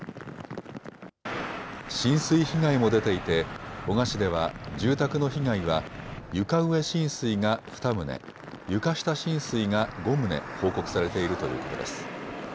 浸水被害も出ていて、男鹿市では住宅の被害は床上浸水が２棟、床下浸水が５棟報告されているということです。